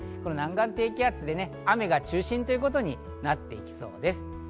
南岸低気圧で雨が中心ということになっていきそうです。